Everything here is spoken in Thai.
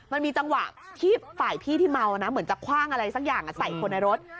มันมีจังหวะที่ฝ่ายพี่ที่เมานะเหมือนจะคว่างอะไรสักอย่างใส่คนในรถ